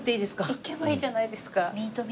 いけばいいじゃないですか。